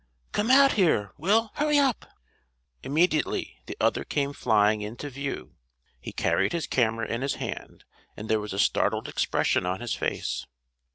"Come out here, Will; hurry up!" Immediately the other came flying into view. He carried his camera in his hand, and there was a startled expression on his face.